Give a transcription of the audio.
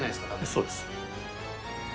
そうです。